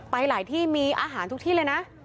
ไปหลายที่มีอาหารทุกที่เลยนะ